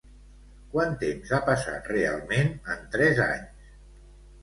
Quant temps ha passat realment en tres anys?